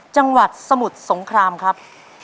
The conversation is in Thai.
จังหวัดสมุทรสงครามครับ